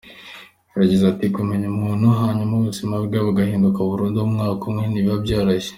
Yagize ati "Kumenya umuntu hanyuma ubuzima bwe bugahinduka burundu mu mwaka umwe, ntibiba byoroshye.